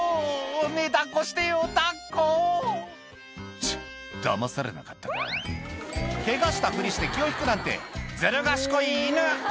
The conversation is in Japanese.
「ねぇ抱っこしてよ抱っこ」「チッだまされなかったか」ケガしたふりして気を引くなんてずる賢い犬